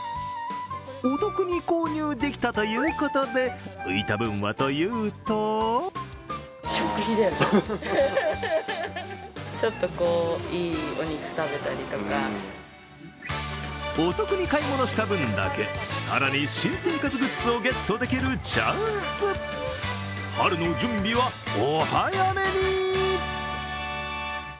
お得に購入できたということで、浮いた分はというとお得に買い物した分だけ更に新生活グッズをゲットできるチャンス春の準備はお早めに。